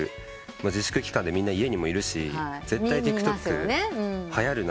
自粛期間でみんな家にもいるし絶対ＴｉｋＴｏｋはやるなと思った。